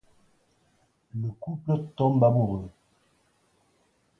Le couple tombe amoureux.